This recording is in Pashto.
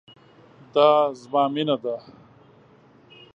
دا زما مينه ده